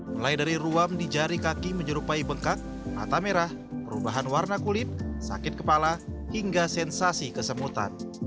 mulai dari ruam di jari kaki menyerupai bengkak mata merah perubahan warna kulit sakit kepala hingga sensasi kesemutan